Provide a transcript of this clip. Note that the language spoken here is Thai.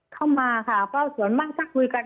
เข้ามาค่ะเพราะส่วนบ้างถ้าคุยกัน